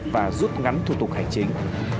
và rút ngắn thủ tục hành chính